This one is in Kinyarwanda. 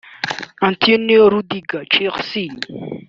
Antonio Rudiger (Chelsea)